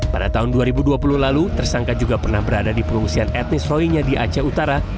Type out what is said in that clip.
pada tahun dua ribu dua puluh lalu tersangka juga pernah berada di pengungsian etnis roy nya di aceh utara